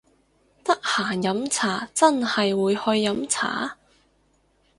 得閒飲茶真係會去飲茶！？